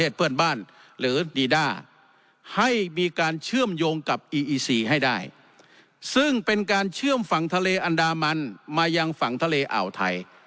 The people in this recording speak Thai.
ซึ่งเป็นการเชื่อมฝั่งทะเลอันดามันมายังฝั่งทะเลอ่าวไทย